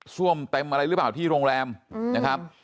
่มเต็มอะไรหรือเปล่าที่โรงแรมนะครับ